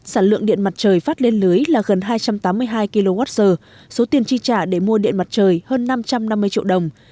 sản lượng điện mặt trời phát lên lưới là gần hai trăm tám mươi hai kwh số tiền chi trả để mua điện mặt trời hơn năm trăm năm mươi triệu đồng